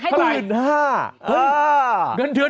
เท่าไรอ้าวเห้ยเห้ย